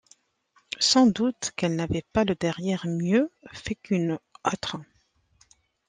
Sans doute quelle n’avait pas le derrière mieux fait qu’une autre.